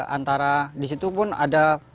antara di situ pun ada